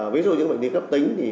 ví dụ những bệnh lý cấp tính thì